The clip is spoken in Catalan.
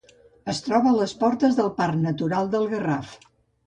Es troba a les portes del Parc Natural del Garraf.